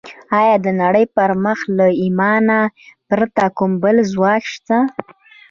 ایا د نړۍ پر مخ له ایمانه پرته کوم بل ځواک شته